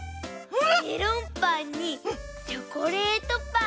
メロンパンにチョコレートパン。